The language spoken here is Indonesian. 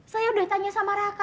saya udah tanya sama raka